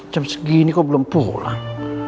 jam segini kok belum pulang